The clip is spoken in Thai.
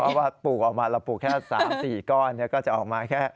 เพราะว่าปลูกออกมาเราปลูกแค่๓๔ก้อนก็จะออกมาแค่